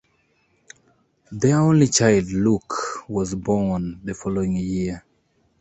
Their only child, Luke, was born the following year.